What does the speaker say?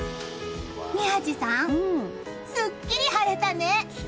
宮司さん、すっきり晴れたね！